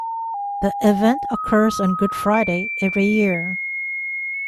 The event occurs on Good Friday every year.